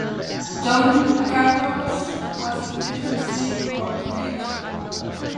Dom Capers was the defensive coordinator.